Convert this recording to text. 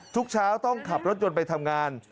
ทุกเช้าต้องขับรถยนต์ไปทำงาน